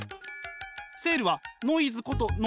セールはノイズこと